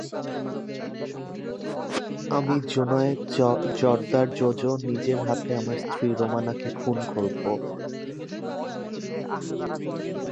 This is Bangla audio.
আমি জোনায়েদ জোয়ার্দার জোজো, নিজের হাতে আমার স্ত্রী রামোনাকে খুন করব।